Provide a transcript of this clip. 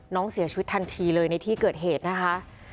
น้องเสียชีวิตทันทีเลยในที่เกิดเหตุนะคะ